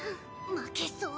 負けそう。